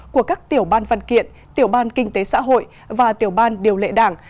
của các tiểu ban văn kiện tiểu ban kinh tế xã hội và tiểu ban điều lệ đảng